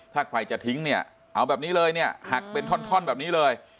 ถ้าใครจะทิ้งเนี่ยเอาแบบนี้เลยเนี่ยหักเป็นท่อนแบบนี้เลย